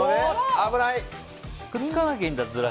危ない！